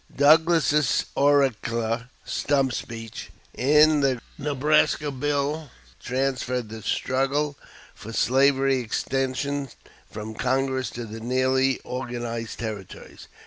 Douglas's oracular "stump speech" in the Nebraska bill transferred the struggle for slavery extension from Congress to the newly organized territories.